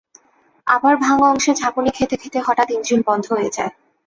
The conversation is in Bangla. আবার ভাঙা অংশে ঝাঁকুনি খেতে খেতে হঠাৎ ইঞ্জিন বন্ধ হয়ে যায়।